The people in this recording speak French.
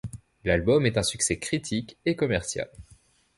L'album est un succès critique et commercial.